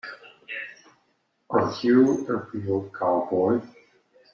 Are you a real cowboy?